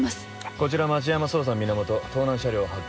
こちら町山捜査源盗難車両発見。